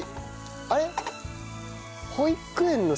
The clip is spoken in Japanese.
あれ？